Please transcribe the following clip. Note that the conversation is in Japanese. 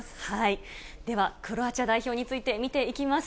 ではクロアチア代表について、見ていきます。